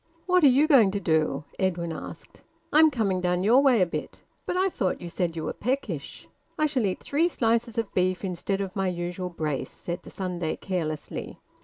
"What are you going to do?" Edwin asked. "I'm coming down your way a bit." "But I thought you said you were peckish." "I shall eat three slices of beef instead of my usual brace," said the Sunday carelessly.